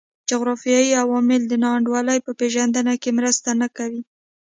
جغرافیوي عوامل د نا انډولۍ په پېژندنه کې مرسته نه کوي.